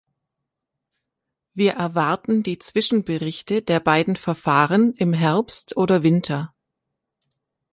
Wir erwarten die Zwischenberichte der beiden Verfahren im Herbst oder Winter.